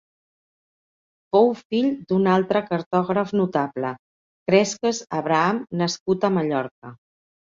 Fou fill d'un altre cartògraf notable, Cresques Abraham, nascut a Mallorca.